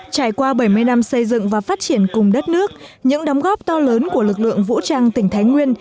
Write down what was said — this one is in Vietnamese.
trải qua bảy mươi năm xây dựng và phát triển cùng đất nước những đóng góp to lớn của lực lượng vũ trang tỉnh thái nguyên